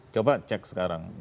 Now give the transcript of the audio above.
coba cek sekarang